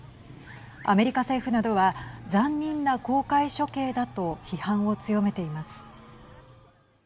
アメリカ政府などは残忍な公開処刑だと批判を強めています。